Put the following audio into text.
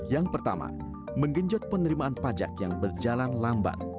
yang pertama menggenjot penerimaan pajak yang berjalan lambat